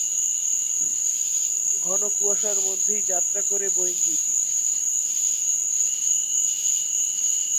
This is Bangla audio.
ঘন কুয়াশার মধ্যেই যাত্রা করে বোয়িং দুইটি।